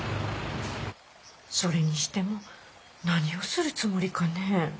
それにしても何をするつもりかね？